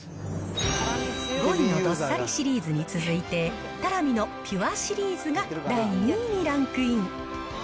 ５位のどっさりシリーズに続いて、たらみのＰＵＲＥシリーズが第２位にランクイン。